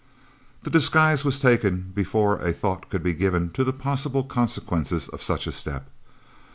The disguise was taken before a thought could be given to the possible consequences of such a step.